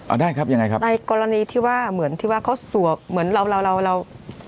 เอาได้ครับยังไงครับในกรณีที่ว่าเหมือนที่ว่าเขาสวกเหมือนเราเราเราเรา